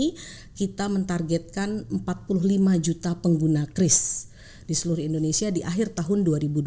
ini kita mentargetkan empat puluh lima juta pengguna kris di seluruh indonesia di akhir tahun dua ribu dua puluh